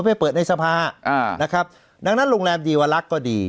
ไปเปิดในสภาอ่านะครับดังนั้นโรงแรมดีวลักษณ์ก็ดี